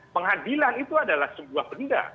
pengadilan itu adalah sebuah benda